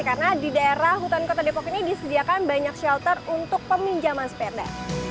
karena di daerah hutan kota depok ini disediakan banyak shelter untuk peminjaman sepeda